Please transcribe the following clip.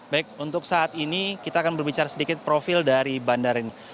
baik untuk saat ini kita akan berbicara sedikit profil dari bandara ini